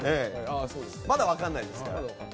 まだ分からないですから。